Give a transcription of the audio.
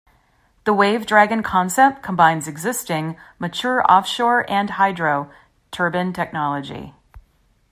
The Wave Dragon concept combines existing, mature offshore and hydro turbine technology.